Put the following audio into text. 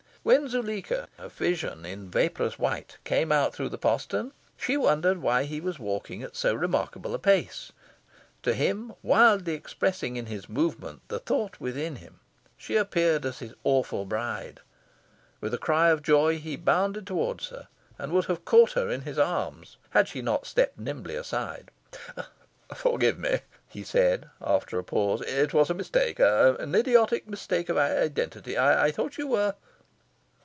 When Zuleika, a vision in vaporous white, came out through the postern, she wondered why he was walking at so remarkable a pace. To him, wildly expressing in his movement the thought within him, she appeared as his awful bride. With a cry of joy, he bounded towards her, and would have caught her in his arms, had she not stepped nimbly aside. "Forgive me!" he said, after a pause. "It was a mistake an idiotic mistake of identity. I thought you were..."